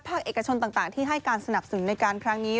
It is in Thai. เอกชนต่างที่ให้การสนับสนุนในการครั้งนี้